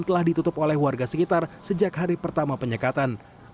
telah ditutup oleh warga sekitar sejak hari pertama penyekatan